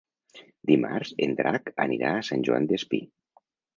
Dimarts en Drac anirà a Sant Joan Despí.